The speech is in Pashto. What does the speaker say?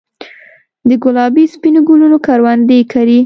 دګلابي ، سپینو ګلونو کروندې کرې